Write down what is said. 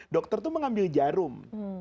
dokter itu mengambil jarum